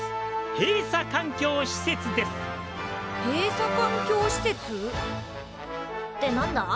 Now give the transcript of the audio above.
閉鎖環境施設？って何だ？